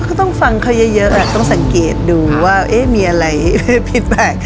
ก็ต้องฟังเขาเยอะต้องสังเกตดูว่ามีอะไรผิดแปลก